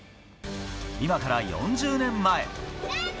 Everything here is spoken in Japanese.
今から４０年前。